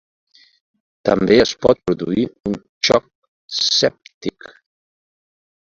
També es pot produir un xoc sèptic.